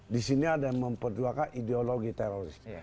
disini ada yang memperjuangkan ideologi teroris